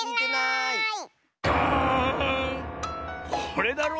これだろ。